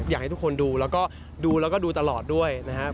อยากให้ทุกคนดูแล้วก็ดูแล้วก็ดูตลอดด้วยนะครับ